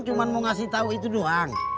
cuma mau ngasih tahu itu doang